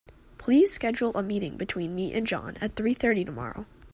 Please schedule a meeting between me and John at three thirty tomorrow.